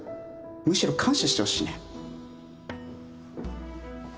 むしろ感謝してほしいね